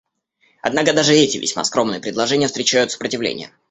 Однако даже эти весьма скромные предложения встречают сопротивление.